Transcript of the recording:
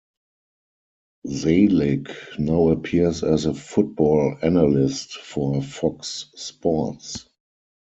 Zelic now appears as a football analyst for Fox Sports.